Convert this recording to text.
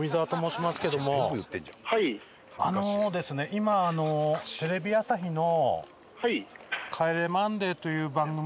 今、テレビ朝日の。